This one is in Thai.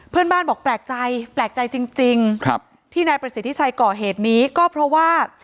เพื่อนบ้านบอกแปลกใจแปลกใจจริงครับที่นายประสิทธิชัยก่อเหตุนี้ก็เพราะว่า